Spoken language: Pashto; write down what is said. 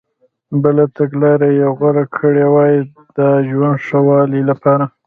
بله تګلارې یې غوره کړي وای د ژوند ښه والي لپاره.